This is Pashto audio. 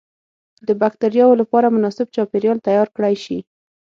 د بکترياوو لپاره مناسب چاپیریال تیار کړای شي.